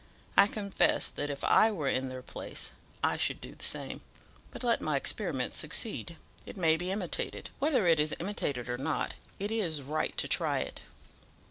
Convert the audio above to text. I confess that if I were in their place I should do the same; but let my experiment succeed, it may be imitated." "Whether it is imitated or not, it is right to try it.